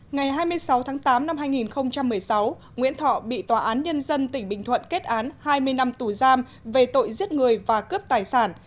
ngày hai mươi sáu tháng tám năm hai nghìn một mươi sáu nguyễn thọ bị tòa án nhân dân tỉnh bình thuận kết án hai mươi năm tù giam về tội giết người và cướp tài sản